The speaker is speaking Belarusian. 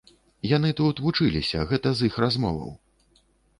Яны тут вучыліся, гэта з іх размоваў.